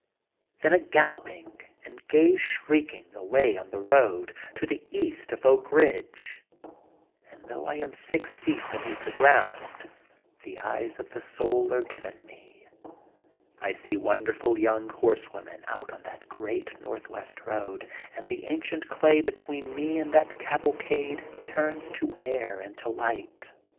Then a galloping and gay shrieking, away on the road, to the East of Oak Eidgel And though I am six feet beneath the ground the eyes of the soul are given me. I see won derful young horsewomen out on that Great Northwest Eoad and the ancient clay between me and that cavalcade turns to air and to 66 THE GOLDEN BOOK OF SPRINGFIELD 67 light.